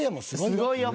すごいよ。